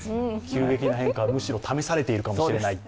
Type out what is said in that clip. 急激な変化は、むしろ試されているかもしれないと。